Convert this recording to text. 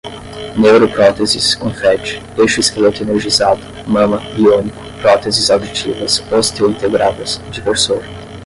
neuropróteses, confetti, exoesqueleto energizado, mama, biônico, próteses auditivas osteointegradas, diversor